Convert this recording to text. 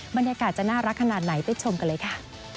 บรรยากาศจะน่ารักขนาดไหนไปชมกันเลยค่ะ